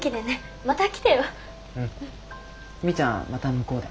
みーちゃんまた向こうで。